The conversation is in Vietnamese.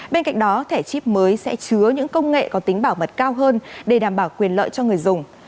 bên cạnh đó thẻ chip mới sẽ chứa những công nghệ có tính bảo mật cao hơn để đảm bảo quyền sử dụng